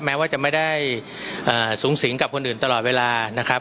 แม้ว่าจะไม่ได้สูงสิงกับคนอื่นตลอดเวลานะครับ